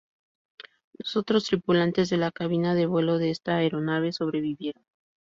Los otros tripulantes de la cabina de vuelo de esta aeronave sobrevivieron.